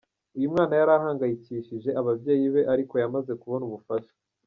Uyu mwana yari ahangayikishije ababyeyi be ariko yamaze kubona ubufasha.